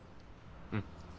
うん。